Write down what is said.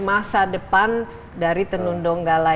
masa depan dari tenundong gala ini